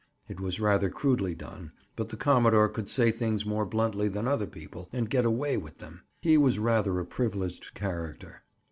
It was rather crudely done, but the commodore could say things more bluntly than other people and "get away with them." He was rather a privileged character.